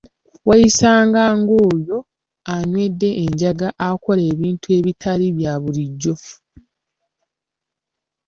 Weesanga nga oyo anywedde enjaga akola ebintu ebitali bya bulijjo.